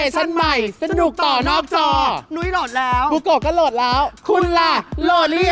นางสาวเอกเกิดขึ้นจากภาพนี้